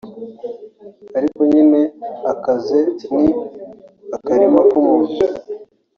ariko nyine akaze si akarima k’umuntu